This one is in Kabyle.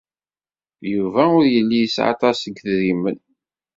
Yuba ur yelli yesɛa aṭas n yedrimen.